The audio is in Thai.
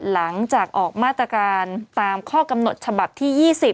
หลังจากออกมาตรการตามข้อกำหนดฉบับที่๒๐